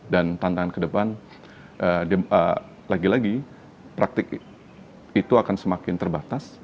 dan tantangan ke depan lagi lagi praktik itu akan semakin terbatas